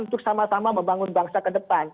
untuk sama sama membangun bangsa kedepan